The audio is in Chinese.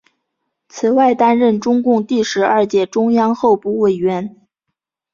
此外担任中共第十二届中央候补委员。